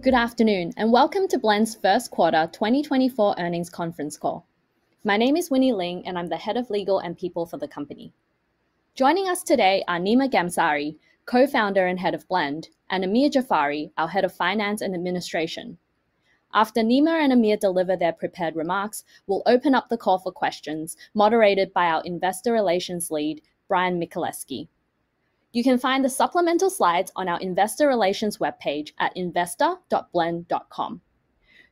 Good afternoon and welcome to Blend's first quarter 2024 earnings conference call. My name is Winnie Ling, and I'm the Head of Legal and People for the company. Joining us today are Nima Ghamsari, Co-Founder and Head of Blend, and Amir Jafari, our Head of Finance and Administration. After Nima and Amir deliver their prepared remarks, we'll open up the call for questions, moderated by our Investor Relations Lead, Bryan Michaleski. You can find the supplemental slides on our Investor Relations webpage at investor.blend.com.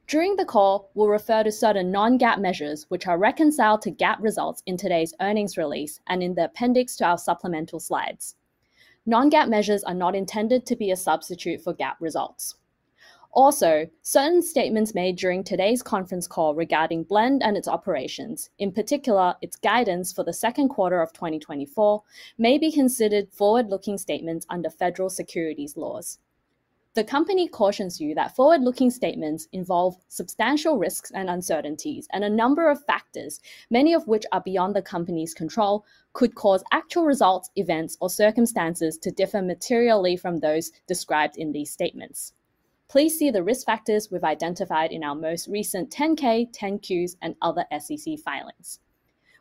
During the call, we'll refer to certain Non-GAAP measures which are reconciled to GAAP results in today's earnings release and in the appendix to our supplemental slides. Non-GAAP measures are not intended to be a substitute for GAAP results. Also, certain statements made during today's conference call regarding Blend and its operations, in particular its guidance for the second quarter of 2024, may be considered forward-looking statements under federal securities laws. The company cautions you that forward-looking statements involve substantial risks and uncertainties, and a number of factors, many of which are beyond the company's control, could cause actual results, events, or circumstances to differ materially from those described in these statements. Please see the risk factors we've identified in our most recent 10-K, 10-Qs, and other SEC filings.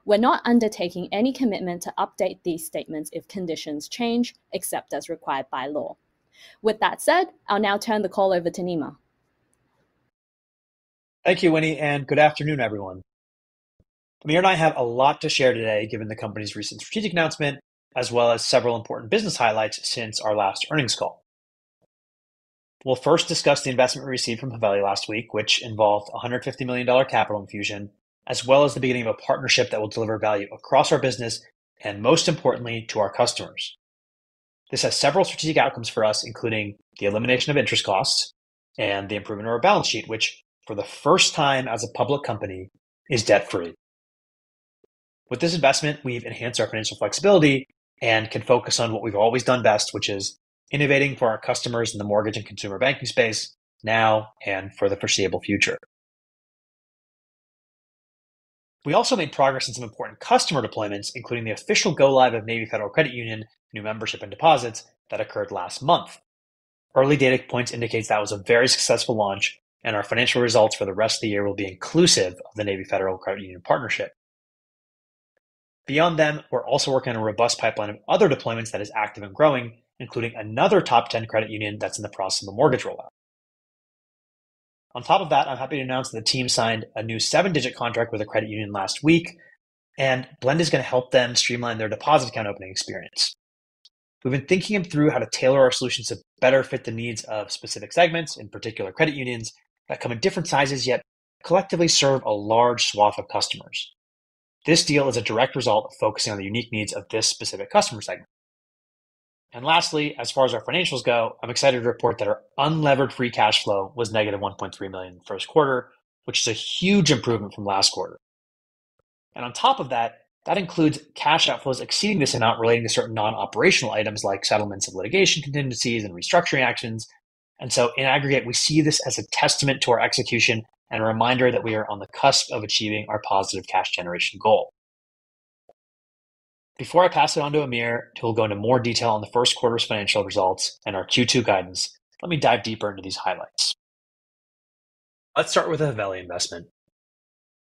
We're not undertaking any commitment to update these statements if conditions change, except as required by law. With that said, I'll now turn the call over to Nima. Thank you, Winnie, and good afternoon, everyone. Amir and I have a lot to share today given the company's recent strategic announcement, as well as several important business highlights since our last earnings call. We'll first discuss the investment we received from Haveli last week, which involved a $150 million capital infusion, as well as the beginning of a partnership that will deliver value across our business and, most importantly, to our customers. This has several strategic outcomes for us, including the elimination of interest costs and the improvement of our balance sheet, which, for the first time as a public company, is debt-free. With this investment, we've enhanced our financial flexibility and can focus on what we've always done best, which is innovating for our customers in the mortgage and consumer banking space now and for the foreseeable future. We also made progress in some important customer deployments, including the official go-live of Navy Federal Credit Union, new membership, and deposits that occurred last month. Early data points indicate that was a very successful launch, and our financial results for the rest of the year will be inclusive of the Navy Federal Credit Union partnership. Beyond them, we're also working on a robust pipeline of other deployments that is active and growing, including another top 10 credit union that's in the process of a mortgage rollout. On top of that, I'm happy to announce that the team signed a new seven digit contract with a credit union last week, and Blend is going to help them streamline their deposit account opening experience. We've been thinking through how to tailor our solutions to better fit the needs of specific segments, in particular credit unions that come in different sizes yet collectively serve a large swath of customers. This deal is a direct result of focusing on the unique needs of this specific customer segment. And lastly, as far as our financials go, I'm excited to report that our unlevered free cash flow was $-1.3 million first quarter, which is a huge improvement from last quarter. And on top of that, that includes cash outflows exceeding this amount relating to certain non-operational items like settlements of litigation contingencies and restructuring actions. And so, in aggregate, we see this as a testament to our execution and a reminder that we are on the cusp of achieving our positive cash generation goal. Before I pass it on to Amir, who will go into more detail on the first quarter's financial results and our Q2 guidance, let me dive deeper into these highlights. Let's start with a Haveli investment.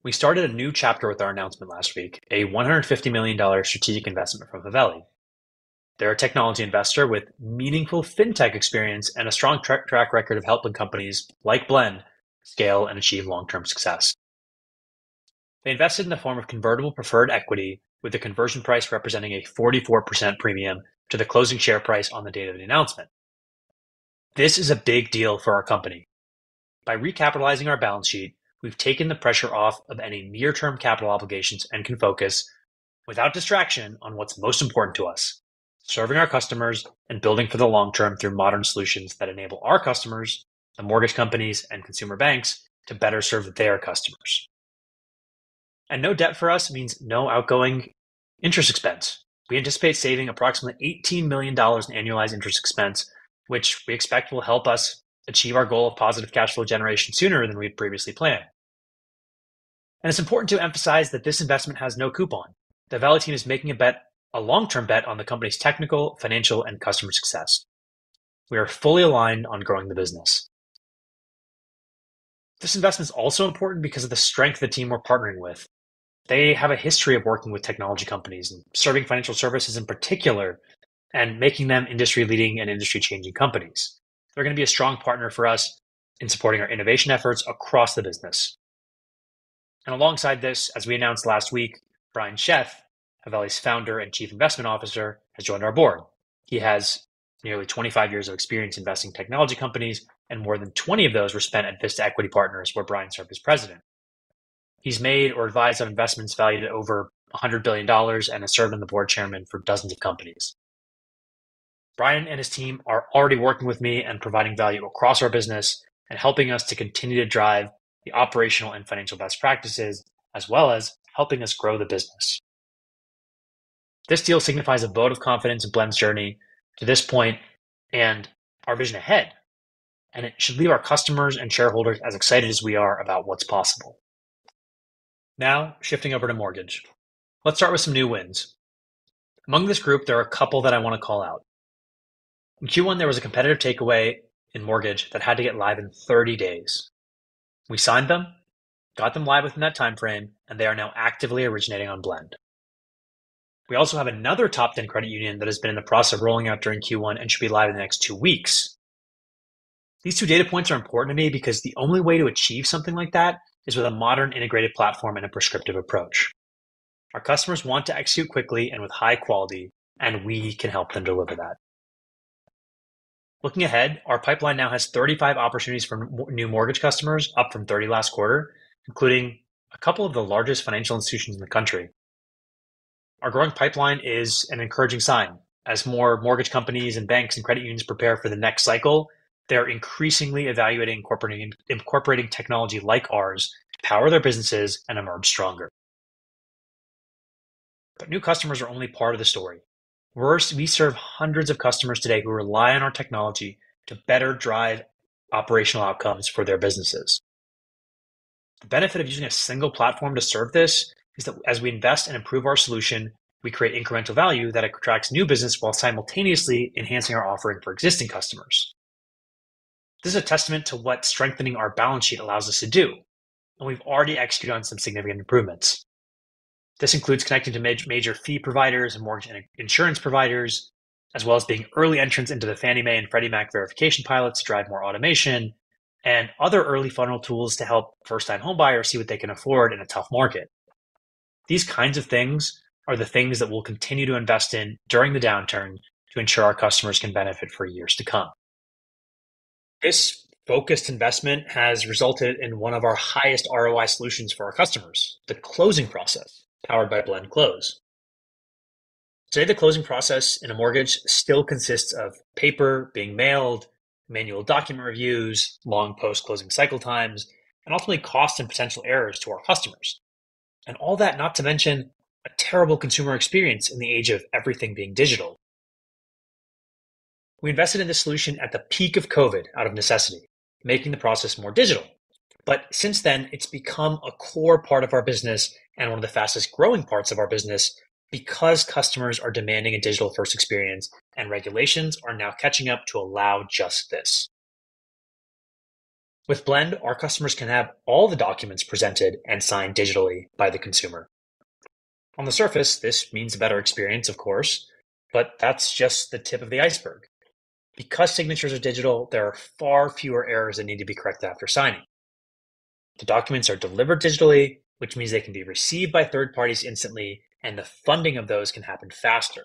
We started a new chapter with our announcement last week, a $150 million strategic investment from Haveli. They're a technology investor with meaningful fintech experience and a strong track record of helping companies like Blend scale and achieve long-term success. They invested in the form of convertible preferred equity, with the conversion price representing a 44% premium to the closing share price on the date of the announcement. This is a big deal for our company. By recapitalizing our balance sheet, we've taken the pressure off of any near-term capital obligations and can focus without distraction on what's most important to us: serving our customers and building for the long term through modern solutions that enable our customers, the mortgage companies, and consumer banks to better serve their customers. No debt for us means no outgoing interest expense. We anticipate saving approximately $18 million in annualized interest expense, which we expect will help us achieve our goal of positive cash flow generation sooner than we previously planned. It's important to emphasize that this investment has no coupon. The Haveli team is making a long-term bet on the company's technical, financial, and customer success. We are fully aligned on growing the business. This investment is also important because of the strength of the team we're partnering with. They have a history of working with technology companies and serving financial services in particular, and making them industry-leading and industry-changing companies. They're going to be a strong partner for us in supporting our innovation efforts across the business. Alongside this, as we announced last week, Brian Sheth, Haveli's founder and chief investment officer, has joined our board. He has nearly 25 years of experience investing in technology companies, and more than 20 of those were spent at Vista Equity Partners, where Brian served as president. He's made or advised on investments valued at over $100 billion and has served as the board chairman for dozens of companies. Brian and his team are already working with me and providing value across our business and helping us to continue to drive the operational and financial best practices, as well as helping us grow the business. This deal signifies a vote of confidence in Blend's journey to this point and our vision ahead, and it should leave our customers and shareholders as excited as we are about what's possible. Now, shifting over to mortgage. Let's start with some new wins. Among this group, there are a couple that I want to call out. In Q1, there was a competitive takeaway in mortgage that had to get live in 30 days. We signed them, got them live within that time frame, and they are now actively originating on Blend. We also have another top 10 credit union that has been in the process of rolling out during Q1 and should be live in the next two weeks. These two data points are important to me because the only way to achieve something like that is with a modern integrated platform and a prescriptive approach. Our customers want to execute quickly and with high quality, and we can help them deliver that. Looking ahead, our pipeline now has 35 opportunities for new mortgage customers, up from 30 last quarter, including a couple of the largest financial institutions in the country. Our growing pipeline is an encouraging sign. As more mortgage companies and banks and credit unions prepare for the next cycle, they are increasingly evaluating incorporating technology like ours to power their businesses and emerge stronger. But new customers are only part of the story. We serve hundreds of customers today who rely on our technology to better drive operational outcomes for their businesses. The benefit of using a single platform to serve this is that as we invest and improve our solution, we create incremental value that attracts new business while simultaneously enhancing our offering for existing customers. This is a testament to what strengthening our balance sheet allows us to do, and we've already executed on some significant improvements. This includes connecting to major fee providers and mortgage and insurance providers, as well as being early entrants into the Fannie Mae and Freddie Mac verification pilots to drive more automation, and other early funnel tools to help first-time homebuyers see what they can afford in a tough market. These kinds of things are the things that we'll continue to invest in during the downturn to ensure our customers can benefit for years to come. This focused investment has resulted in one of our highest ROI solutions for our customers, the closing process powered by Blend Close. Today, the closing process in a mortgage still consists of paper being mailed, manual document reviews, long post-closing cycle times, and ultimately costs and potential errors to our customers. And all that not to mention a terrible consumer experience in the age of everything being digital. We invested in this solution at the peak of COVID out of necessity, making the process more digital. But since then, it's become a core part of our business and one of the fastest growing parts of our business because customers are demanding a digital-first experience, and regulations are now catching up to allow just this. With Blend, our customers can have all the documents presented and signed digitally by the consumer. On the surface, this means a better experience, of course, but that's just the tip of the iceberg. Because signatures are digital, there are far fewer errors that need to be corrected after signing. The documents are delivered digitally, which means they can be received by third parties instantly, and the funding of those can happen faster.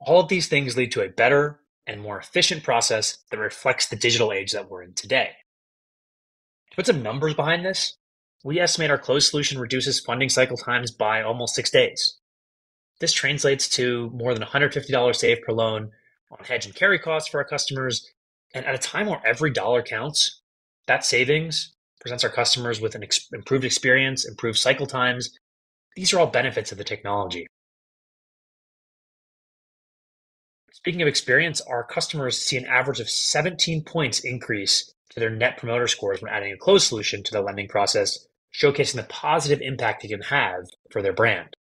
All of these things lead to a better and more efficient process that reflects the digital age that we're in today. To put some numbers behind this, we estimate our close solution reduces funding cycle times by almost six days. This translates to more than $150 saved per loan on hedge and carry costs for our customers. At a time where every dollar counts, that savings presents our customers with an improved experience, improved cycle times. These are all benefits of the technology. Speaking of experience, our customers see an average of 17 points increase to their Net Promoter Scores when adding a close solution to their lending process, showcasing the positive impact they can have for their brand.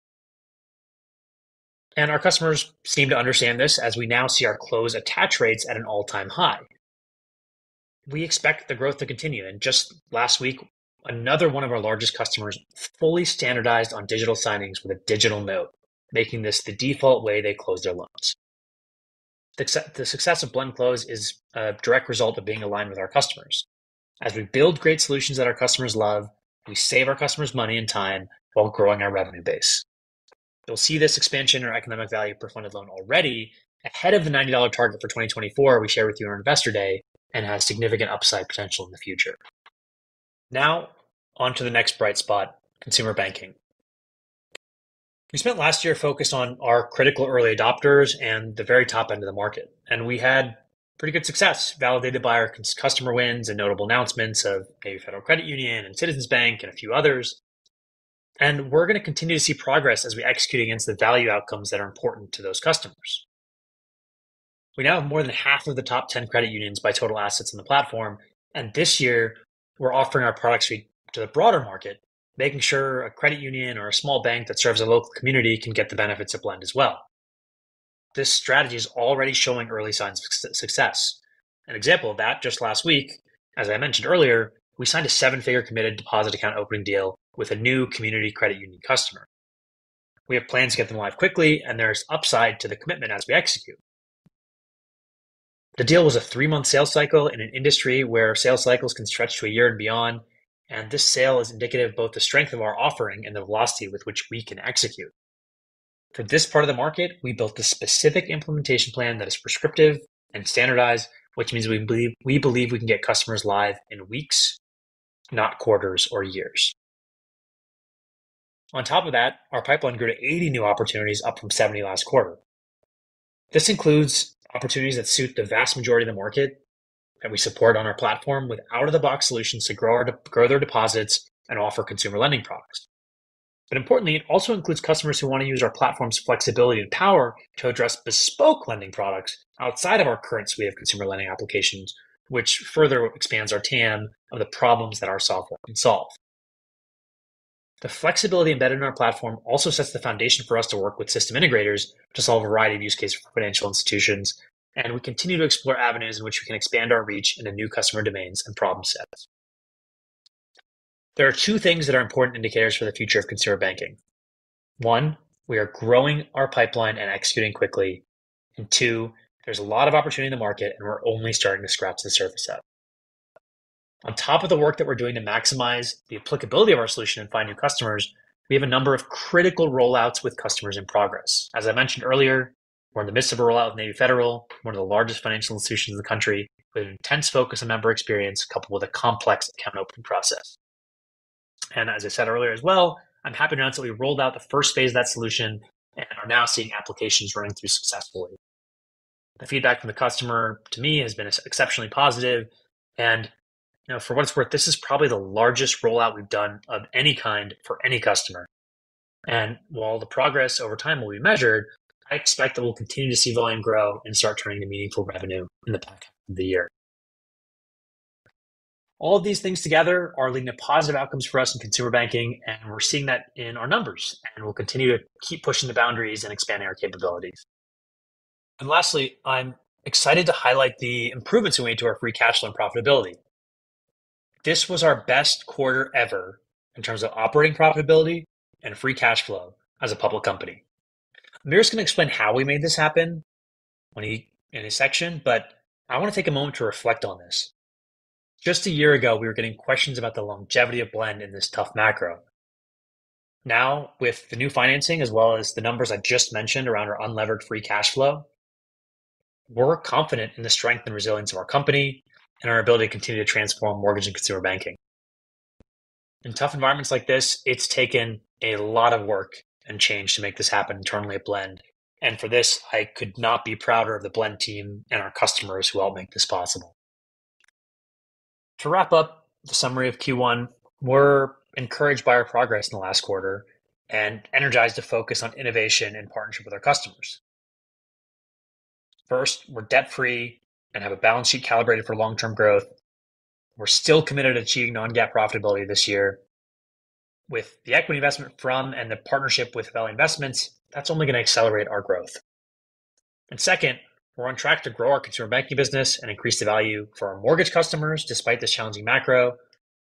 Our customers seem to understand this as we now see our close attach rates at an all-time high. We expect the growth to continue. And just last week, another one of our largest customers fully standardized on digital signings with a digital note, making this the default way they close their loans. The success of Blend Close is a direct result of being aligned with our customers. As we build great solutions that our customers love, we save our customers money and time while growing our revenue base. You'll see this expansion in our economic value per funded loan already ahead of the $90 target for 2024 we share with you on Investor Day and has significant upside potential in the future. Now, onto the next bright spot, consumer banking. We spent last year focused on our critical early adopters and the very top end of the market, and we had pretty good success validated by our customer wins and notable announcements of Navy Federal Credit Union and Citizens Bank and a few others. We're going to continue to see progress as we execute against the value outcomes that are important to those customers. We now have more than half of the top 10 credit unions by total assets in the platform, and this year, we're offering our product suite to the broader market, making sure a credit union or a small bank that serves a local community can get the benefits of Blend as well. This strategy is already showing early signs of success. An example of that, just last week, as I mentioned earlier, we signed a seven-figure committed deposit account opening deal with a new community credit union customer. We have plans to get them live quickly, and there's upside to the commitment as we execute. The deal was a three-month sales cycle in an industry where sales cycles can stretch to a year and beyond, and this sale is indicative of both the strength of our offering and the velocity with which we can execute. For this part of the market, we built a specific implementation plan that is prescriptive and standardized, which means we believe we can get customers live in weeks, not quarters or years. On top of that, our pipeline grew to 80 new opportunities, up from 70 last quarter. This includes opportunities that suit the vast majority of the market that we support on our platform with out-of-the-box solutions to grow their deposits and offer consumer lending products. But importantly, it also includes customers who want to use our platform's flexibility and power to address bespoke lending products outside of our current suite of consumer lending applications, which further expands our TAM of the problems that our software can solve. The flexibility embedded in our platform also sets the foundation for us to work with system integrators to solve a variety of use cases for financial institutions, and we continue to explore avenues in which we can expand our reach into new customer domains and problem sets. There are two things that are important indicators for the future of consumer banking. One, we are growing our pipeline and executing quickly. And two, there's a lot of opportunity in the market, and we're only starting to scratch the surface of it. On top of the work that we're doing to maximize the applicability of our solution and find new customers, we have a number of critical rollouts with customers in progress. As I mentioned earlier, we're in the midst of a rollout with Navy Federal, one of the largest financial institutions in the country, with an intense focus on member experience coupled with a complex account opening process. And as I said earlier as well, I'm happy to announce that we rolled out the first phase of that solution and are now seeing applications running through successfully. The feedback from the customer to me has been exceptionally positive. And for what it's worth, this is probably the largest rollout we've done of any kind for any customer. And while the progress over time will be measured, I expect that we'll continue to see volume grow and start turning into meaningful revenue in the back half of the year. All of these things together are leading to positive outcomes for us in consumer banking, and we're seeing that in our numbers. And we'll continue to keep pushing the boundaries and expanding our capabilities. And lastly, I'm excited to highlight the improvements we made to our free cash flow and profitability. This was our best quarter ever in terms of operating profitability and free cash flow as a public company. Amir is going to explain how we made this happen in a section, but I want to take a moment to reflect on this. Just a year ago, we were getting questions about the longevity of Blend in this tough macro. Now, with the new financing as well as the numbers I just mentioned around our unlevered free cash flow, we're confident in the strength and resilience of our company and our ability to continue to transform mortgage and consumer banking. In tough environments like this, it's taken a lot of work and change to make this happen internally at Blend. And for this, I could not be prouder of the Blend team and our customers who all make this possible. To wrap up the summary of Q1, we're encouraged by our progress in the last quarter and energized to focus on innovation and partnership with our customers. First, we're debt-free and have a balance sheet calibrated for long-term growth. We're still committed to achieving non-GAAP profitability this year. With the equity investment from and the partnership with Haveli Investments, that's only going to accelerate our growth. And second, we're on track to grow our consumer banking business and increase the value for our mortgage customers despite this challenging macro.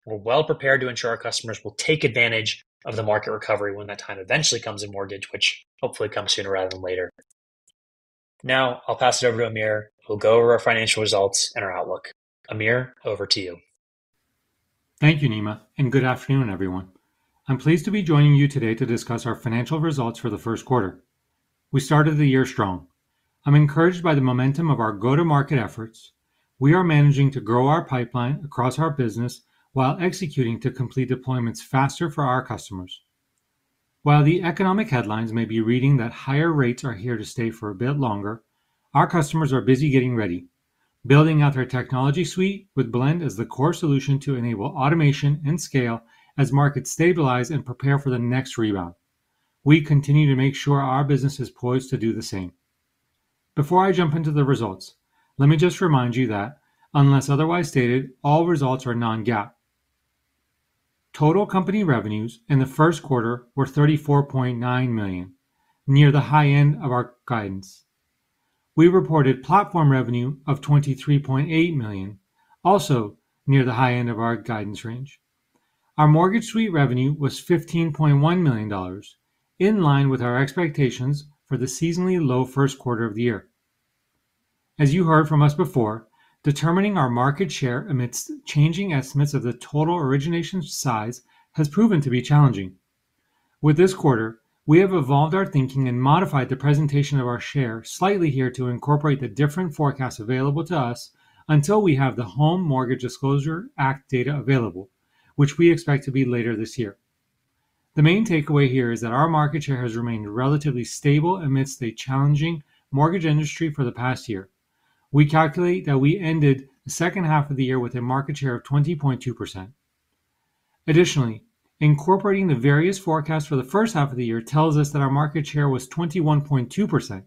We're well prepared to ensure our customers will take advantage of the market recovery when that time eventually comes in mortgage, which hopefully comes sooner rather than later. Now, I'll pass it over to Amir. We'll go over our financial results and our outlook. Amir, over to you. Thank you, Nima, and good afternoon, everyone. I'm pleased to be joining you today to discuss our financial results for the first quarter. We started the year strong. I'm encouraged by the momentum of our go-to-market efforts. We are managing to grow our pipeline across our business while executing to complete deployments faster for our customers. While the economic headlines may be reading that higher rates are here to stay for a bit longer, our customers are busy getting ready, building out their technology suite with Blend as the core solution to enable automation and scale as markets stabilize and prepare for the next rebound. We continue to make sure our business is poised to do the same. Before I jump into the results, let me just remind you that, unless otherwise stated, all results are non-GAAP. Total company revenues in the first quarter were $34.9 million, near the high end of our guidance. We reported platform revenue of $23.8 million, also near the high end of our guidance range. Our Mortgage Suite revenue was $15.1 million, in line with our expectations for the seasonally low first quarter of the year. As you heard from us before, determining our market share amidst changing estimates of the total origination size has proven to be challenging. With this quarter, we have evolved our thinking and modified the presentation of our share slightly here to incorporate the different forecasts available to us until we have the Home Mortgage Disclosure Act data available, which we expect to be later this year. The main takeaway here is that our market share has remained relatively stable amidst a challenging mortgage industry for the past year. We calculate that we ended the second half of the year with a market share of 20.2%. Additionally, incorporating the various forecasts for the first half of the year tells us that our market share was 21.2%,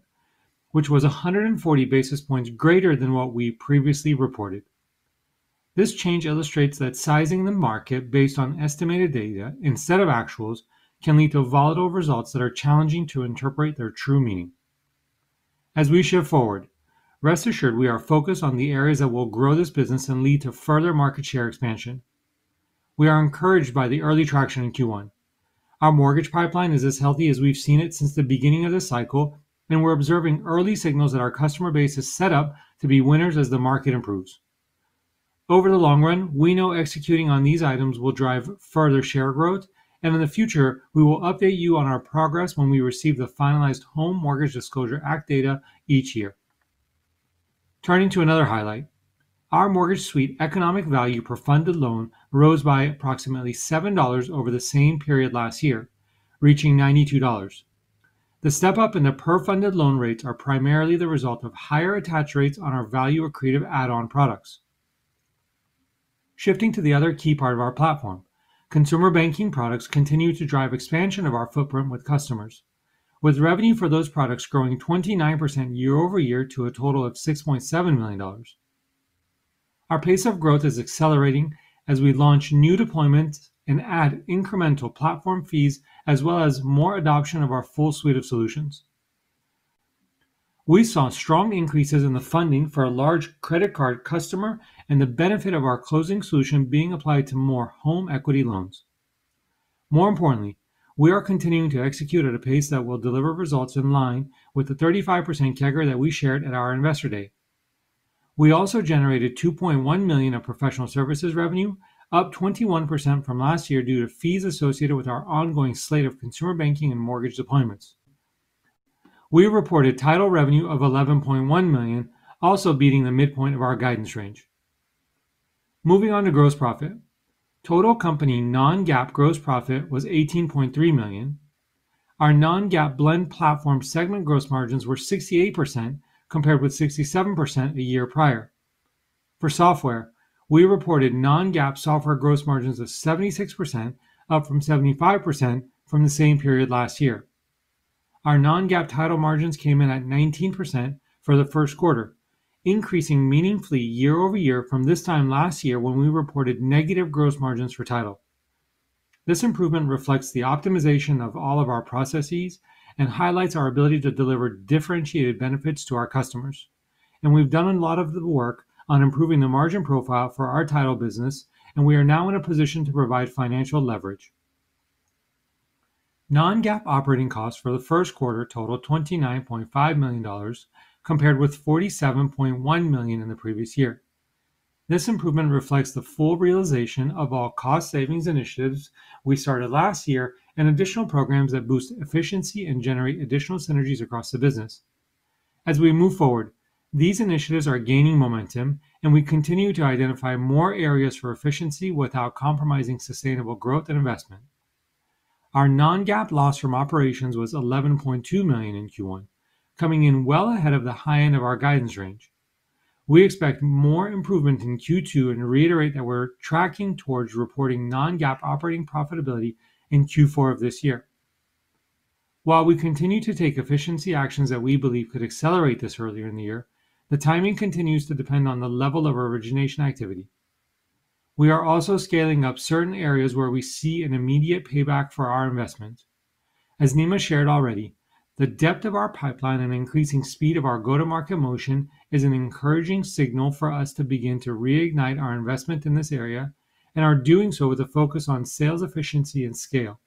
which was 140 basis points greater than what we previously reported. This change illustrates that sizing the market based on estimated data instead of actuals can lead to volatile results that are challenging to interpret their true meaning. As we shift forward, rest assured we are focused on the areas that will grow this business and lead to further market share expansion. We are encouraged by the early traction in Q1. Our mortgage pipeline is as healthy as we've seen it since the beginning of this cycle, and we're observing early signals that our customer base is set up to be winners as the market improves. Over the long run, we know executing on these items will drive further share growth, and in the future, we will update you on our progress when we receive the finalized Home Mortgage Disclosure Act data each year. Turning to another highlight, our mortgage suite economic value per funded loan rose by approximately $7 over the same period last year, reaching $92. The step-up in the per funded loan rates are primarily the result of higher attach rates on our value accretive add-on products. Shifting to the other key part of our platform, consumer banking products continue to drive expansion of our footprint with customers, with revenue for those products growing 29% year-over-year to a total of $6.7 million. Our pace of growth is accelerating as we launch new deployments and add incremental platform fees as well as more adoption of our full suite of solutions. We saw strong increases in the funding for a large credit card customer and the benefit of our closing solution being applied to more home equity loans. More importantly, we are continuing to execute at a pace that will deliver results in line with the 35% KEGR that we shared at our Investor Day. We also generated $2.1 million of Professional Services revenue, up 21% from last year due to fees associated with our ongoing slate of consumer banking and mortgage deployments. We reported Title Revenue of $11.1 million, also beating the midpoint of our guidance range. Moving on to gross profit, total company non-GAAP gross profit was $18.3 million. Our non-GAAP Blend Platform segment gross margins were 68% compared with 67% the year prior. For software, we reported non-GAAP software gross margins of 76%, up from 75% from the same period last year. Our Non-GAAP title margins came in at 19% for the first quarter, increasing meaningfully year-over-year from this time last year when we reported negative gross margins for title. This improvement reflects the optimization of all of our processes and highlights our ability to deliver differentiated benefits to our customers. We've done a lot of the work on improving the margin profile for our title business, and we are now in a position to provide financial leverage. Non-GAAP operating costs for the first quarter totaled $29.5 million compared with $47.1 million in the previous year. This improvement reflects the full realization of all cost savings initiatives we started last year and additional programs that boost efficiency and generate additional synergies across the business. As we move forward, these initiatives are gaining momentum, and we continue to identify more areas for efficiency without compromising sustainable growth and investment. Our non-GAAP loss from operations was $11.2 million in Q1, coming in well ahead of the high end of our guidance range. We expect more improvement in Q2 and reiterate that we're tracking towards reporting non-GAAP operating profitability in Q4 of this year. While we continue to take efficiency actions that we believe could accelerate this earlier in the year, the timing continues to depend on the level of origination activity. We are also scaling up certain areas where we see an immediate payback for our investments. As Nima shared already, the depth of our pipeline and increasing speed of our go-to-market motion is an encouraging signal for us to begin to reignite our investment in this area, and are doing so with a focus on sales efficiency and scale.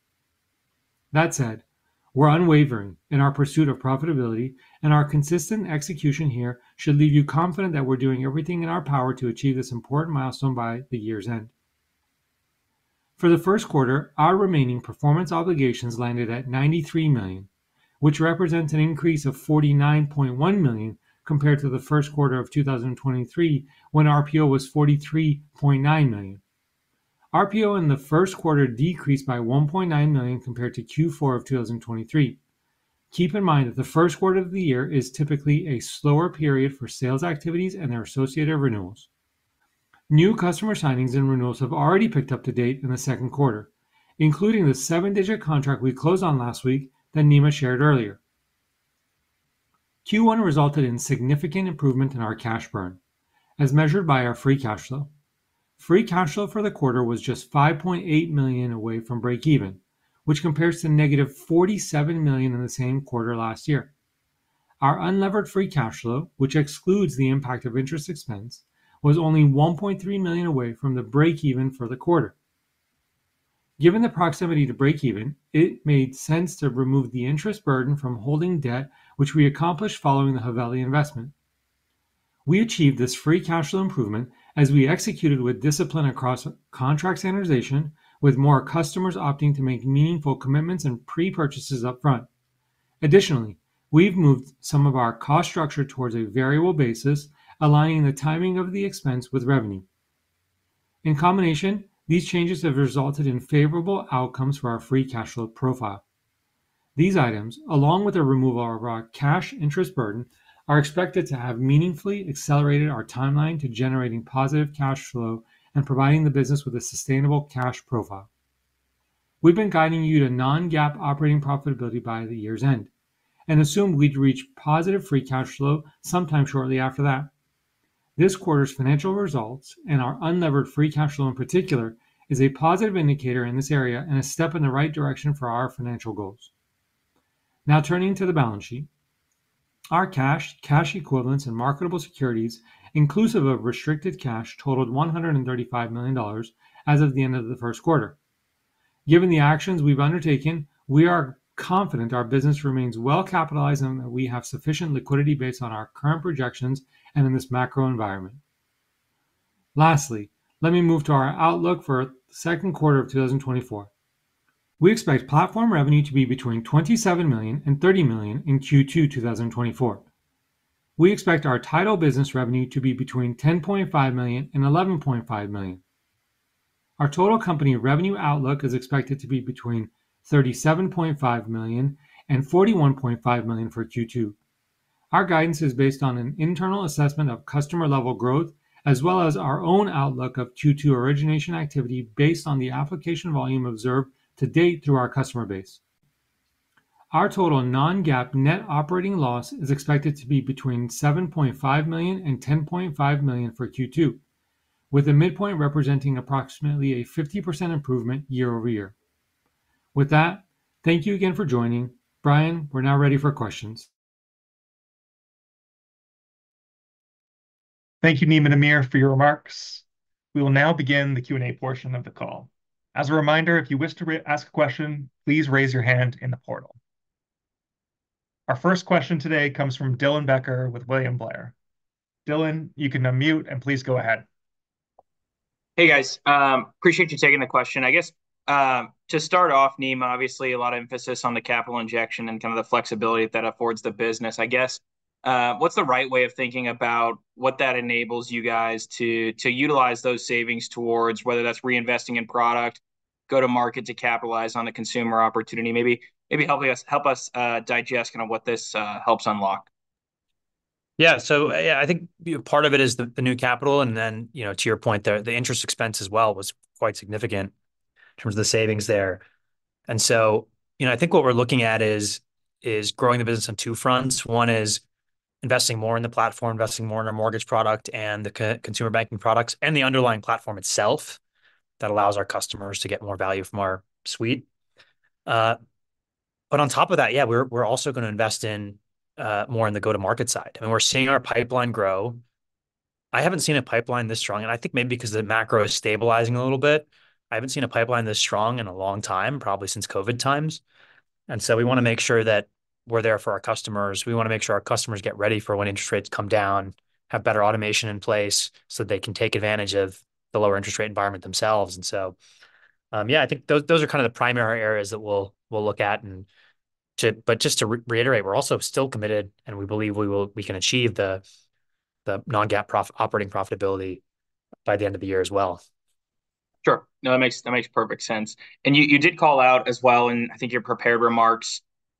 That said, we're unwavering in our pursuit of profitability, and our consistent execution here should leave you confident that we're doing everything in our power to achieve this important milestone by the year's end. For the first quarter, our remaining performance obligations landed at $93 million, which represents an increase of $49.1 million compared to the first quarter of 2023 when RPO was $43.9 million. RPO in the first quarter decreased by $1.9 million compared to Q4 of 2023. Keep in mind that the first quarter of the year is typically a slower period for sales activities and their associated renewals. New customer signings and renewals have already picked up to date in the second quarter, including the seven-digit contract we closed on last week that Nima shared earlier. Q1 resulted in significant improvement in our cash burn, as measured by our free cash flow. Free cash flow for the quarter was just $5.8 million away from break-even, which compares to negative $47 million in the same quarter last year. Our unlevered free cash flow, which excludes the impact of interest expense, was only $1.3 million away from the break-even for the quarter. Given the proximity to break-even, it made sense to remove the interest burden from holding debt, which we accomplished following the Haveli Investments. We achieved this free cash flow improvement as we executed with discipline across contract standardization, with more customers opting to make meaningful commitments and pre-purchases upfront. Additionally, we've moved some of our cost structure towards a variable basis, aligning the timing of the expense with revenue. In combination, these changes have resulted in favorable outcomes for our free cash flow profile. These items, along with the removal of our cash interest burden, are expected to have meaningfully accelerated our timeline to generating positive cash flow and providing the business with a sustainable cash profile. We've been guiding you to non-GAAP operating profitability by the year's end and assumed we'd reach positive free cash flow sometime shortly after that. This quarter's financial results and our unlevered free cash flow in particular is a positive indicator in this area and a step in the right direction for our financial goals. Now, turning to the balance sheet, our cash, cash equivalents, and marketable securities, inclusive of restricted cash, totaled $135 million as of the end of the first quarter. Given the actions we've undertaken, we are confident our business remains well capitalized and that we have sufficient liquidity based on our current projections and in this macro environment. Lastly, let me move to our outlook for the second quarter of 2024. We expect platform revenue to be between $27 million and $30 million in Q2 2024. We expect our title business revenue to be between $10.5 million and $11.5 million. Our total company revenue outlook is expected to be between $37.5 million and $41.5 million for Q2. Our guidance is based on an internal assessment of customer-level growth as well as our own outlook of Q2 origination activity based on the application volume observed to date through our customer base. Our total non-GAAP net operating loss is expected to be between $7.5 million and $10.5 million for Q2, with the midpoint representing approximately a 50% improvement year-over-year. With that, thank you again for joining. Brian, we're now ready for questions. Thank you, Nima and Amir, for your remarks. We will now begin the Q&A portion of the call. As a reminder, if you wish to ask a question, please raise your hand in the portal. Our first question today comes from Dylan Becker with William Blair. Dylan, you can unmute and please go ahead. Hey, guys. Appreciate you taking the question. I guess to start off, Nima, obviously a lot of emphasis on the capital injection and kind of the flexibility that affords the business. I guess what's the right way of thinking about what that enables you guys to utilize those savings towards, whether that's reinvesting in product, go to market to capitalize on a consumer opportunity, maybe help us digest kind of what this helps unlock? Yeah. So I think part of it is the new capital. And then to your point, the interest expense as well was quite significant in terms of the savings there. And so I think what we're looking at is growing the business on two fronts. One is investing more in the platform, investing more in our mortgage product and the consumer banking products, and the underlying platform itself that allows our customers to get more value from our suite. But on top of that, yeah, we're also going to invest more in the go-to-market side. I mean, we're seeing our pipeline grow. I haven't seen a pipeline this strong, and I think maybe because the macro is stabilizing a little bit. I haven't seen a pipeline this strong in a long time, probably since COVID times. And so we want to make sure that we're there for our customers. We want to make sure our customers get ready for when interest rates come down, have better automation in place so that they can take advantage of the lower interest rate environment themselves. And so yeah, I think those are kind of the primary areas that we'll look at. But just to reiterate, we're also still committed, and we believe we can achieve the non-GAAP operating profitability by the end of the year as well. Sure. No, that makes perfect sense. You did call out as well in, I think, your prepared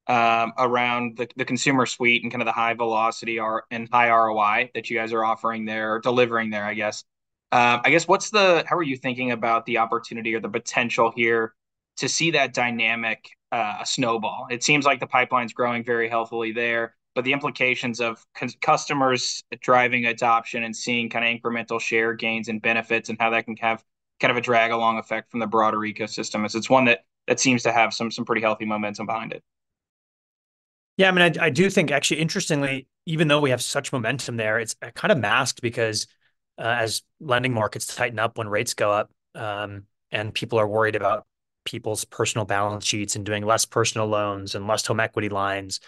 remarks around the consumer suite and kind of the high velocity and high ROI that you guys are offering there, delivering there, I guess. I guess how are you thinking about the opportunity or the potential here to see that dynamic snowball? It seems like the pipeline's growing very healthily there, but the implications of customers driving adoption and seeing kind of incremental share gains and benefits and how that can have kind of a drag-along effect from the broader ecosystem is, it's one that seems to have some pretty healthy momentum behind it. Yeah. I mean, I do think, actually, interestingly, even though we have such momentum there, it's kind of masked because as lending markets tighten up, when rates go up and people are worried about people's personal balance sheets and doing less personal loans and less home equity lines,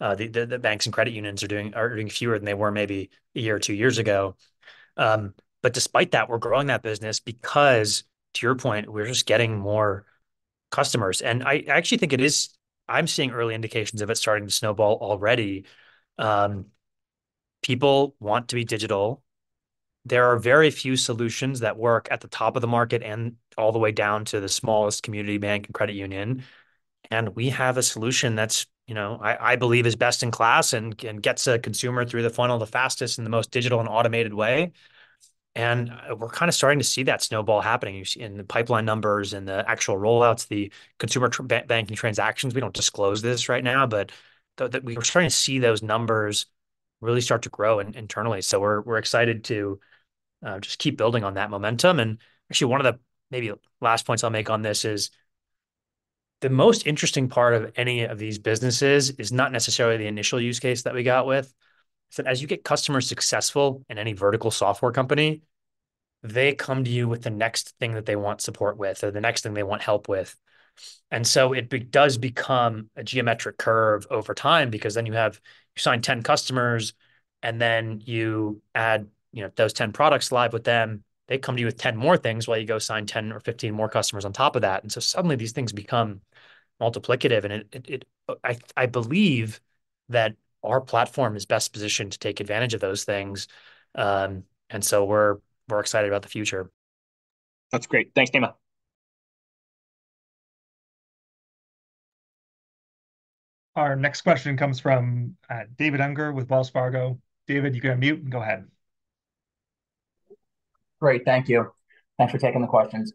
the banks and credit unions are doing fewer than they were maybe a year or two years ago. But despite that, we're growing that business because, to your point, we're just getting more customers. And I actually think I'm seeing early indications of it starting to snowball already. People want to be digital. There are very few solutions that work at the top of the market and all the way down to the smallest community bank and credit union. And we have a solution that I believe is best in class and gets a consumer through the funnel the fastest in the most digital and automated way. And we're kind of starting to see that snowball happening in the pipeline numbers and the actual rollouts, the consumer banking transactions. We don't disclose this right now, but we're starting to see those numbers really start to grow internally. So we're excited to just keep building on that momentum. And actually, one of the maybe last points I'll make on this is the most interesting part of any of these businesses is not necessarily the initial use case that we got with. It's that as you get customers successful in any vertical software company, they come to you with the next thing that they want support with or the next thing they want help with. And so it does become a geometric curve over time because then you sign 10 customers, and then you add those 10 products live with them. They come to you with 10 more things while you go sign 10 or 15 more customers on top of that. And so suddenly, these things become multiplicative. And I believe that our platform is best positioned to take advantage of those things. And so we're excited about the future. That's great. Thanks, Nima. Our next question comes from David Unger with Wells Fargo. David, you can unmute and go ahead. Great. Thank you. Thanks for taking the questions.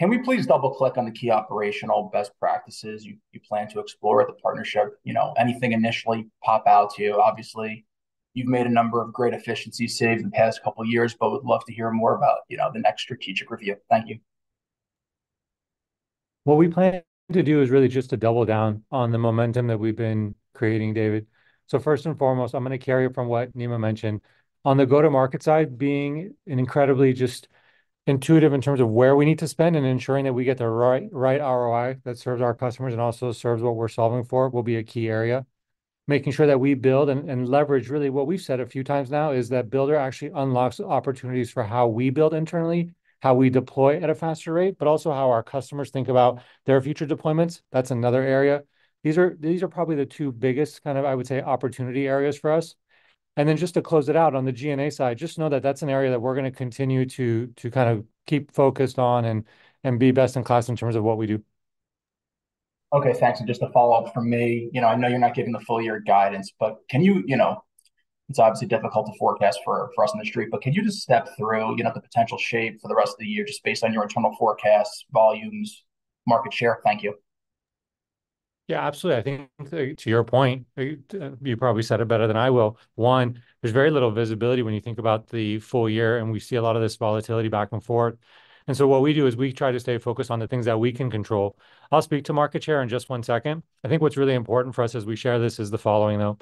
Can we please double-click on the key operational best practices you plan to explore at the partnership? Anything initially pop out to you? Obviously, you've made a number of great efficiency saves in the past couple of years, but would love to hear more about the next strategic review. Thank you. What we plan to do is really just to double down on the momentum that we've been creating, David. So first and foremost, I'm going to carry it from what Nima mentioned. On the go-to-market side, being incredibly just intuitive in terms of where we need to spend and ensuring that we get the right ROI that serves our customers and also serves what we're solving for will be a key area. Making sure that we build and leverage really what we've said a few times now is that builder actually unlocks opportunities for how we build internally, how we deploy at a faster rate, but also how our customers think about their future deployments. That's another area. These are probably the two biggest kind of, I would say, opportunity areas for us. And then just to close it out, on the G&A side, just know that that's an area that we're going to continue to kind of keep focused on and be best in class in terms of what we do. Okay. Thanks. And just a follow-up from me. I know you're not giving the full year guidance, but can you, it's obviously difficult to forecast for us in the street, but can you just step through the potential shape for the rest of the year just based on your internal forecasts, volumes, market share? Thank you. Yeah, absolutely. I think to your point, you probably said it better than I will. One, there's very little visibility when you think about the full year, and we see a lot of this volatility back and forth. And so what we do is we try to stay focused on the things that we can control. I'll speak to market share in just one second. I think what's really important for us as we share this is the following, though.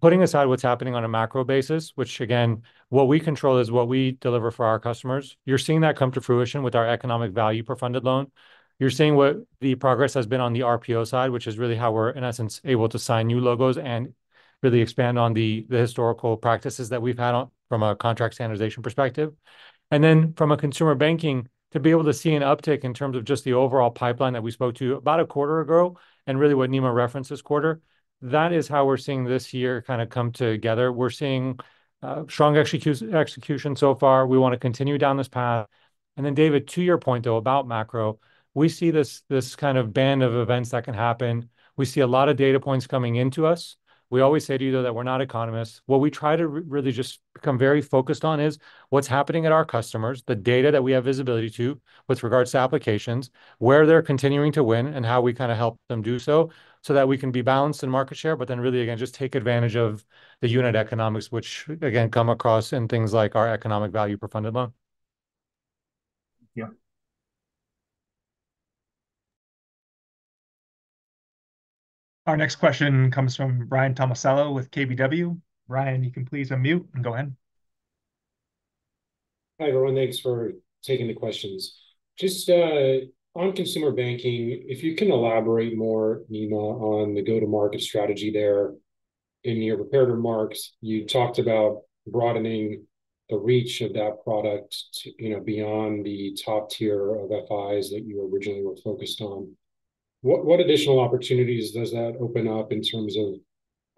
Putting aside what's happening on a macro basis, which again, what we control is what we deliver for our customers. You're seeing that come to fruition with our economic value per funded loan. You're seeing what the progress has been on the RPO side, which is really how we're, in essence, able to sign new logos and really expand on the historical practices that we've had from a contract standardization perspective. And then from a consumer banking, to be able to see an uptick in terms of just the overall pipeline that we spoke to about a quarter ago and really what Nima referenced this quarter, that is how we're seeing this year kind of come together. We're seeing strong execution so far. We want to continue down this path. And then, David, to your point, though, about macro, we see this kind of band of events that can happen. We see a lot of data points coming into us. We always say to you, though, that we're not economists. What we try to really just become very focused on is what's happening at our customers, the data that we have visibility to with regards to applications, where they're continuing to win, and how we kind of help them do so so that we can be balanced in market share, but then really, again, just take advantage of the unit economics, which again come across in things like our economic value per funded loan. Thank you. Our next question comes from Ryan Tomasello with KBW. Ryan, you can please unmute and go ahead. Hi, everyone. Thanks for taking the questions. Just on consumer banking, if you can elaborate more, Nima, on the go-to-market strategy there in your prepared remarks, you talked about broadening the reach of that product beyond the top tier of FIs that you originally were focused on. What additional opportunities does that open up in terms of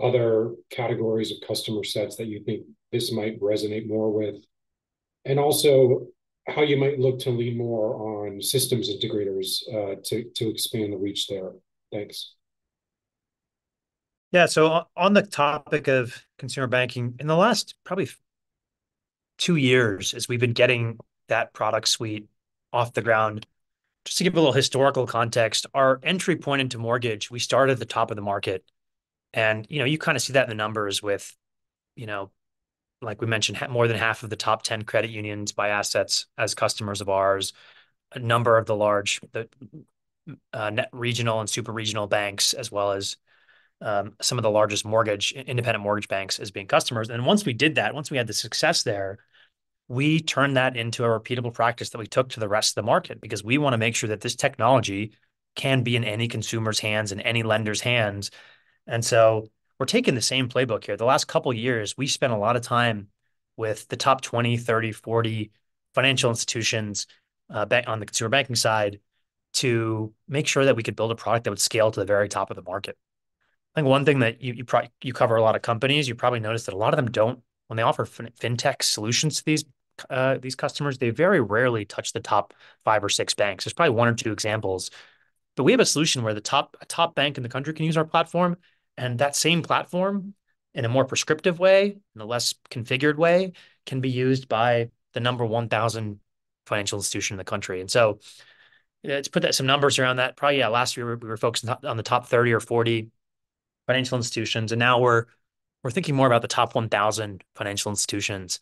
other categories of customer sets that you think this might resonate more with? And also how you might look to lean more on systems integrators to expand the reach there. Thanks. Yeah. So on the topic of consumer banking, in the last probably two years as we've been getting that product suite off the ground, just to give a little historical context, our entry point into mortgage, we started at the top of the market. And you kind of see that in the numbers with, like we mentioned, more than half of the top 10 credit unions by assets as customers of ours, a number of the large national, regional and super regional banks, as well as some of the largest independent mortgage banks as being customers. And then once we did that, once we had the success there, we turned that into a repeatable practice that we took to the rest of the market because we want to make sure that this technology can be in any consumer's hands and any lender's hands. And so we're taking the same playbook here. The last couple of years, we spent a lot of time with the top 20, 30, 40 financial institutions on the consumer banking side to make sure that we could build a product that would scale to the very top of the market. I think one thing that you cover a lot of companies, you probably noticed that a lot of them don't. When they offer fintech solutions to these customers, they very rarely touch the top five or six banks. There's probably one or two examples. But we have a solution where a top bank in the country can use our platform, and that same platform, in a more prescriptive way, in a less configured way, can be used by the number 1,000 financial institution in the country. To put some numbers around that, probably, yeah, last year, we were focused on the top 30 or 40 financial institutions. Now we're thinking more about the top 1,000 financial institutions.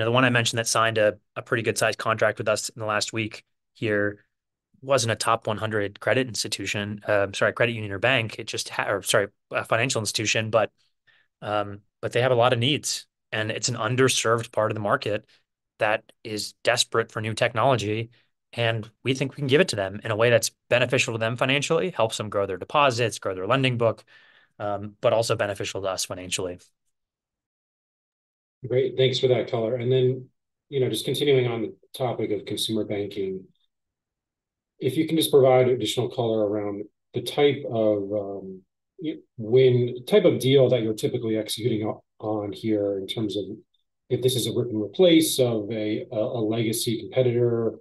The one I mentioned that signed a pretty good-sized contract with us in the last week here wasn't a top 100 credit institution, sorry, credit union or bank, sorry, financial institution, but they have a lot of needs. It's an underserved part of the market that is desperate for new technology. We think we can give it to them in a way that's beneficial to them financially, helps them grow their deposits, grow their lending book, but also beneficial to us financially. Great. Thanks for that, color. Then just continuing on the topic of consumer banking, if you can just provide additional color around the type of deal that you're typically executing on here in terms of if this is a rip and replace of a legacy competitor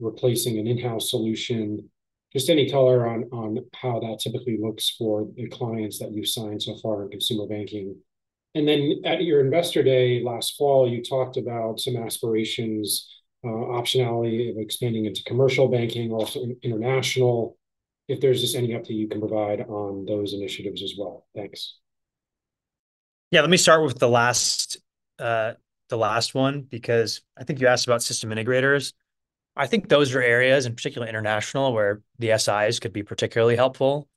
replacing an in-house solution, just any color on how that typically looks for the clients that you've signed so far in consumer banking. Then at your Investor Day last fall, you talked about some aspirations, optionality of expanding into commercial banking, also international. If there's just any update you can provide on those initiatives as well. Thanks. Yeah. Let me start with the last one because I think you asked about system integrators. I think those are areas, in particular international, where the SIs could be particularly helpful.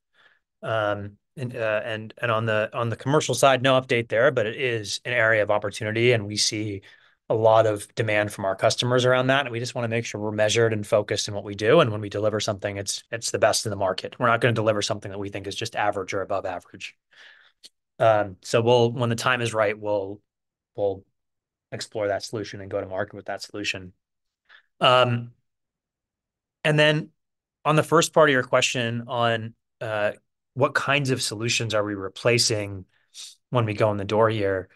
And on the commercial side, no update there, but it is an area of opportunity, and we see a lot of demand from our customers around that. And we just want to make sure we're measured and focused in what we do. And when we deliver something, it's the best in the market. We're not going to deliver something that we think is just average or above average. So when the time is right, we'll explore that solution and go to market with that solution. And then on the first part of your question on what kinds of solutions are we replacing when we go in the door here,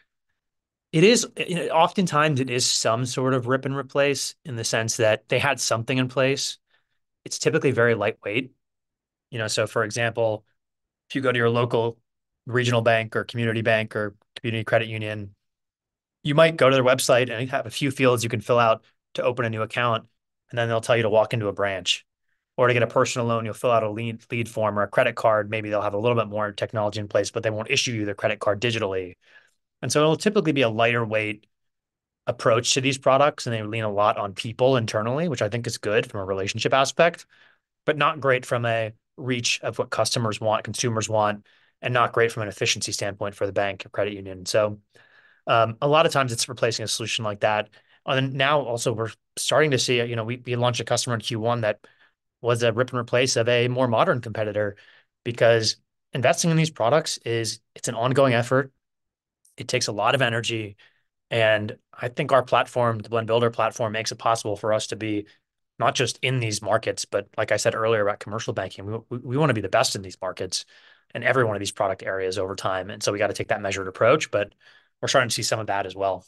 oftentimes, it is some sort of rip and replace in the sense that they had something in place. It's typically very lightweight. So, for example, if you go to your local regional bank or community bank or community credit union, you might go to their website and have a few fields you can fill out to open a new account. And then they'll tell you to walk into a branch. Or to get a personal loan, you'll fill out a lead form or a credit card. Maybe they'll have a little bit more technology in place, but they won't issue you their credit card digitally. It'll typically be a lighter-weight approach to these products, and they lean a lot on people internally, which I think is good from a relationship aspect, but not great from a reach of what customers want, consumers want, and not great from an efficiency standpoint for the bank or credit union. A lot of times, it's replacing a solution like that. Now, also, we're starting to see we launched a customer in Q1 that was a rip and replace of a more modern competitor because investing in these products, it's an ongoing effort. It takes a lot of energy. I think our platform, the Blend Builder platform, makes it possible for us to be not just in these markets, but like I said earlier about commercial banking, we want to be the best in these markets in every one of these product areas over time. And so we got to take that measured approach. But we're starting to see some of that as well.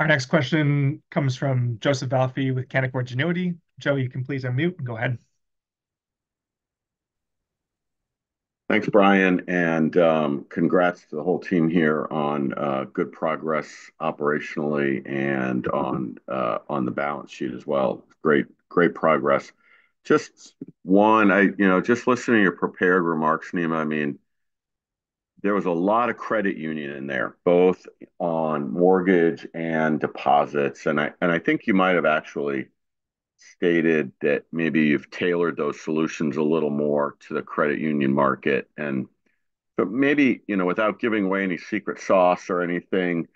Our next question comes from Joseph Vafi with Canaccord Genuity. Joe, you can please unmute and go ahead. Thanks, Brian. Congrats to the whole team here on good progress operationally and on the balance sheet as well. Great progress. Just one, just listening to your prepared remarks, Nima, I mean, there was a lot of credit union in there, both on mortgage and deposits. I think you might have actually stated that maybe you've tailored those solutions a little more to the credit union market. Maybe without giving away any secret sauce or anything,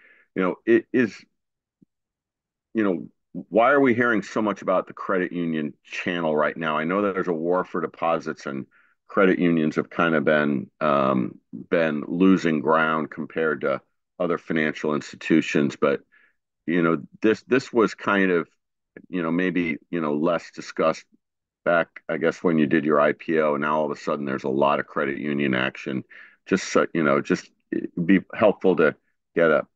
why are we hearing so much about the credit union channel right now? I know there's a war for deposits, and credit unions have kind of been losing ground compared to other financial institutions. This was kind of maybe less discussed back, I guess, when you did your IPO, and now all of a sudden, there's a lot of credit union action. Just be helpful to get a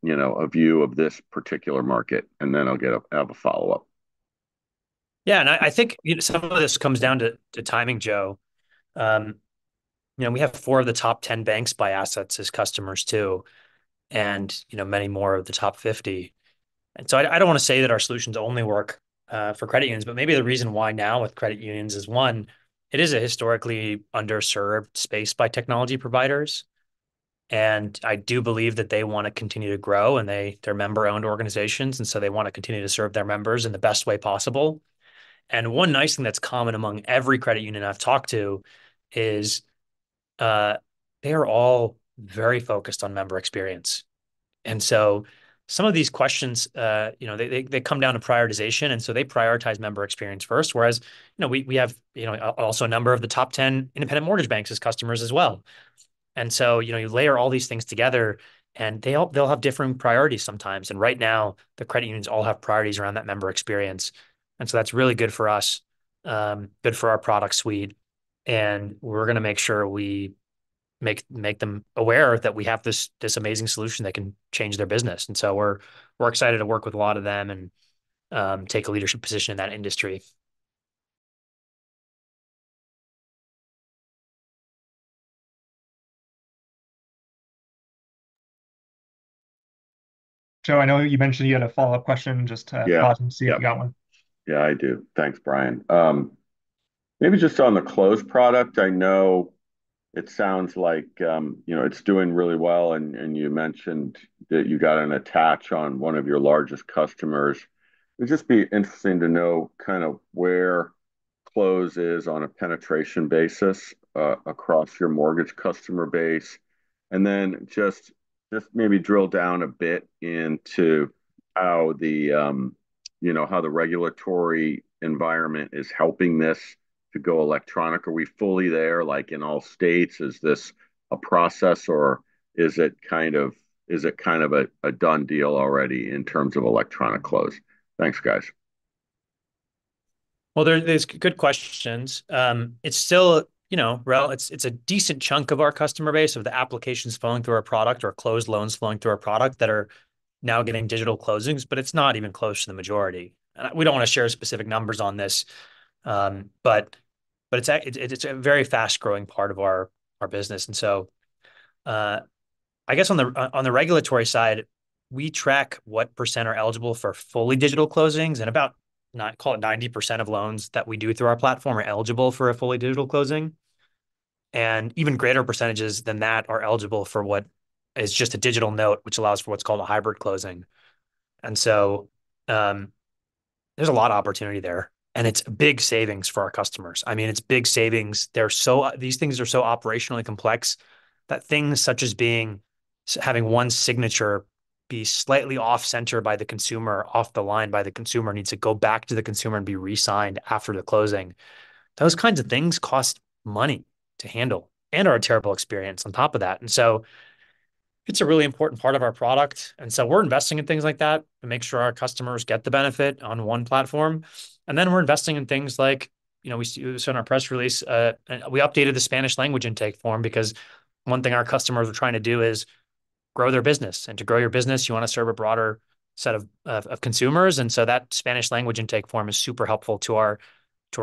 view of this particular market, and then I'll have a follow-up. Yeah. And I think some of this comes down to timing, Joe. We have four of the top 10 banks by assets as customers too, and many more of the top 50. And so I don't want to say that our solutions only work for credit unions, but maybe the reason why now with credit unions is, one, it is a historically underserved space by technology providers. And I do believe that they want to continue to grow. And they're member-owned organizations, and so they want to continue to serve their members in the best way possible. And one nice thing that's common among every credit union I've talked to is they are all very focused on member experience. And so some of these questions, they come down to prioritization. And so they prioritize member experience first, whereas we have also a number of the top 10 independent mortgage banks as customers as well. And so you layer all these things together, and they'll have different priorities sometimes. And right now, the credit unions all have priorities around that member experience. And so that's really good for us, good for our product suite. And we're going to make sure we make them aware that we have this amazing solution that can change their business. And so we're excited to work with a lot of them and take a leadership position in that industry. Joe, I know you mentioned you had a follow-up question just to pause and see if you got one. Yeah, I do. Thanks, Bryan. Maybe just on the Close product, I know it sounds like it's doing really well, and you mentioned that you got an attach on one of your largest customers. It'd just be interesting to know kind of where Close is on a penetration basis across your mortgage customer base. And then just maybe drill down a bit into how the regulatory environment is helping this to go electronic. Are we fully there in all states? Is this a process, or is it kind of a done deal already in terms of electronic Close? Thanks, guys. Well, there's good questions. It's still, Ryan, it's a decent chunk of our customer base of the applications flowing through our product or close loans flowing through our product that are now getting digital closings, but it's not even close to the majority. We don't want to share specific numbers on this, but it's a very fast-growing part of our business. So I guess on the regulatory side, we track what percent are eligible for fully digital closings. About, call it, 90% of loans that we do through our platform are eligible for a fully digital closing. Even greater percentages than that are eligible for what is just a digital note, which allows for what's called a hybrid closing. So there's a lot of opportunity there, and it's big savings for our customers. I mean, it's big savings. These things are so operationally complex that things such as having one signature be slightly off-center by the consumer, off the line by the consumer, needs to go back to the consumer and be resigned after the closing. Those kinds of things cost money to handle and are a terrible experience on top of that. And so it's a really important part of our product. And so we're investing in things like that to make sure our customers get the benefit on one platform. And then we're investing in things like we said in our press release; we updated the Spanish language intake form because one thing our customers are trying to do is grow their business. And to grow your business, you want to serve a broader set of consumers. And so that Spanish language intake form is super helpful to our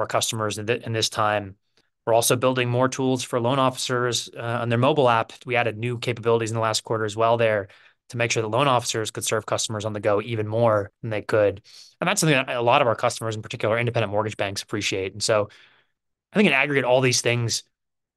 customers in this time. We're also building more tools for loan officers on their mobile app. We added new capabilities in the last quarter as well there to make sure that loan officers could serve customers on the go even more than they could. That's something that a lot of our customers, in particular, independent mortgage banks appreciate. So I think in aggregate, all these things,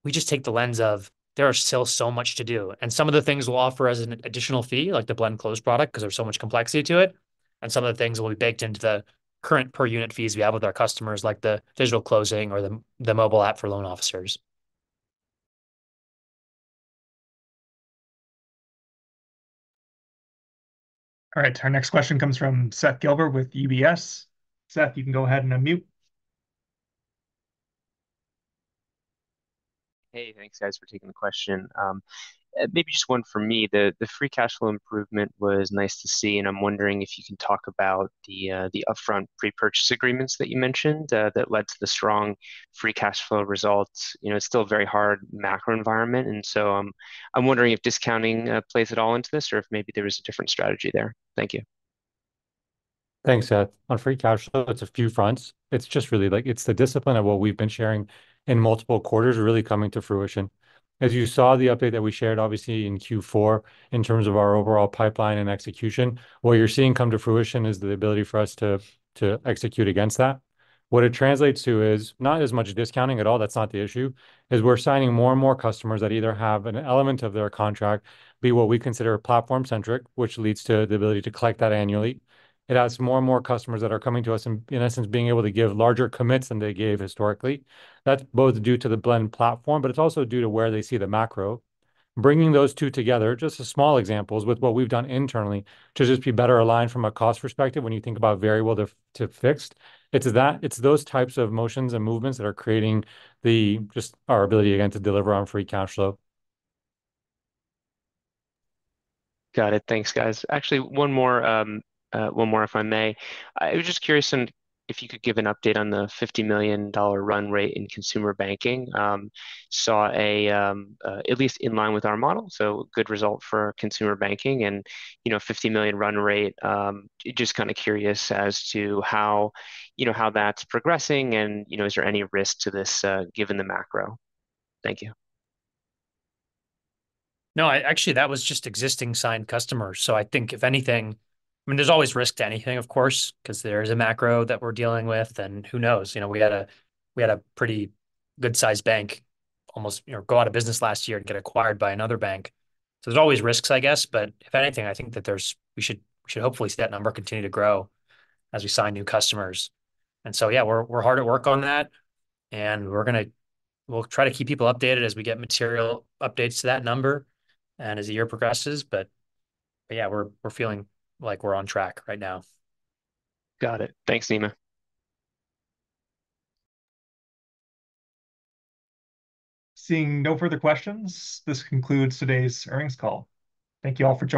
we just take the lens of there is still so much to do. Some of the things we'll offer as an additional fee, like the Blend Close product, because there's so much complexity to it, and some of the things will be baked into the current per-unit fees we have with our customers, like the digital closing or the mobile app for loan officers. All right. Our next question comes from Seth Gilbert with UBS. Seth, you can go ahead and unmute. Hey, thanks, guys, for taking the question. Maybe just one for me. The free cash flow improvement was nice to see. And I'm wondering if you can talk about the upfront pre-purchase agreements that you mentioned that led to the strong free cash flow results. It's still a very hard macro environment. And so I'm wondering if discounting plays at all into this or if maybe there was a different strategy there. Thank you. Thanks, Seth. On free cash flow, it's a few fronts. It's just really like it's the discipline of what we've been sharing in multiple quarters really coming to fruition. As you saw the update that we shared, obviously, in Q4 in terms of our overall pipeline and execution, what you're seeing come to fruition is the ability for us to execute against that. What it translates to is not as much discounting at all. That's not the issue, is we're signing more and more customers that either have an element of their contract be what we consider platform-centric, which leads to the ability to collect that annually. It has more and more customers that are coming to us, in essence, being able to give larger commits than they gave historically. That's both due to the Blend Platform, but it's also due to where they see the macro. Bringing those two together, just as small examples with what we've done internally to just be better aligned from a cost perspective when you think about variable to fixed, it's those types of motions and movements that are creating just our ability again to deliver on free cash flow. Got it. Thanks, guys. Actually, one more, if I may. I was just curious if you could give an update on the $50 million run rate in consumer banking. Saw at least in line with our model. So good result for consumer banking and a $50 million run rate. Just kind of curious as to how that's progressing, and is there any risk to this given the macro? Thank you. No, actually, that was just existing signed customers. So I think if anything, I mean, there's always risk to anything, of course, because there is a macro that we're dealing with. And who knows? We had a pretty good-sized bank almost go out of business last year and get acquired by another bank. So there's always risks, I guess. But if anything, I think that we should hopefully see that number continue to grow as we sign new customers. And so yeah, we're hard at work on that. And we'll try to keep people updated as we get material updates to that number and as the year progresses. But yeah, we're feeling like we're on track right now. Got it. Thanks, Nima. Seeing no further questions, this concludes today's earnings call. Thank you all for joining.